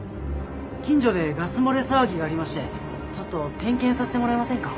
近所でガス漏れ騒ぎがありましてちょっと点検させてもらえませんか？